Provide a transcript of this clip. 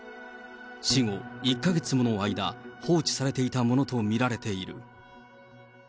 死後１か月もの間、放置されていたものと見られている。